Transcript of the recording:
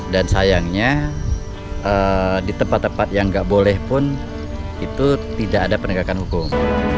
dan sayangnya di tempat tempat yang tidak boleh pun itu tidak ada penegakan hukum